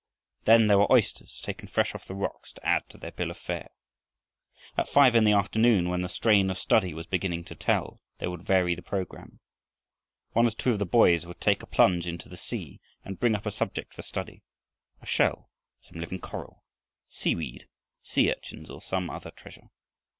Then there were oysters, taken fresh off the rocks, to add to their bill of fare. At five in the afternoon, when the strain of study was beginning to tell, they would vary the program. One or two of the boys would take a plunge into the sea and bring up a subject for study, a shell, some living coral, sea weed, sea urchins, or some such treasure.